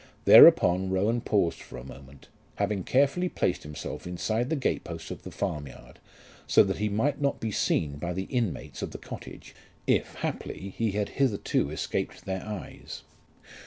Thereupon Rowan paused for a moment, having carefully placed himself inside the gate posts of the farmyard so that he might not be seen by the inmates of the cottage, if haply he had hitherto escaped their eyes.